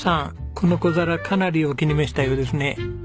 この小皿かなりお気に召したようですね。